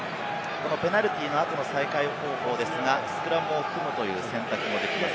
このペナルティーの後の再開方法ですが、スクラムを組むという選択もできます。